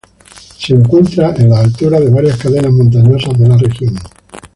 Se encuentra en las alturas de varias cadenas montañosas de la región.